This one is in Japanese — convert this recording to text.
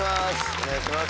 お願いします。